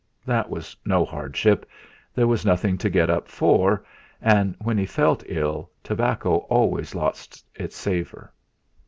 That was no hardship; there was nothing to get up for, and when he felt ill, tobacco always lost its savour.